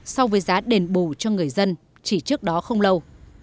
so với giá đền bù cho người dân chỉ trước đó không lâu